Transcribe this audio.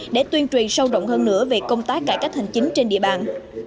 để tuyên truyền sâu động hơn nữa về công tác cải cách hành chính trên địa bàn